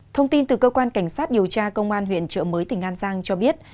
thông tin từ cơ quan cảnh sát điều tra công an huyện trợ mới tỉnh an giang cho biết